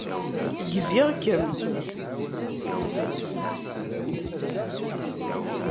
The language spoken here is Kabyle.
Gziɣ-kem.